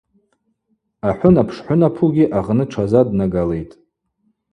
Ахӏвынап шхӏвынапугьи агъны тшазаднагалитӏ.